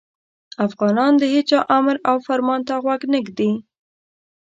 افغانان د هیچا امر او فرمان ته غوږ نه ږدي.